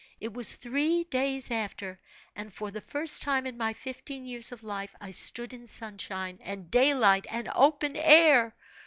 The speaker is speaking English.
It was three days after, and for the first time in my fifteen years of life, I stood in sunshine, and daylight, and open air.